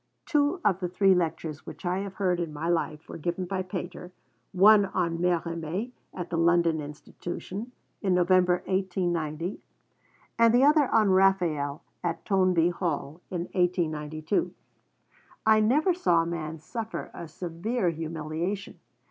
Two of the three lectures which I have heard in my life were given by Pater, one on Mérimée, at the London Institution, in November 1890, and the other on Raphael, at Toynbee Hall, in 1892. I never saw a man suffer a severer humiliation.